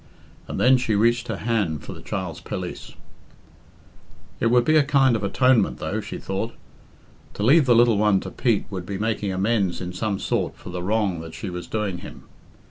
And then she reached her hand for the child's pelisse. "It would be a kind of atonement, though," she thought. To leave the little one to Pete would be making amends in some sort for the wrong that she was doing him.